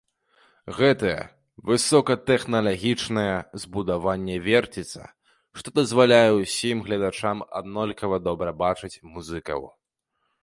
Гэтае высокатэхналагічнае збудаванне верціцца, што дазваляе ўсім гледачам аднолькава добра бачыць музыкаў.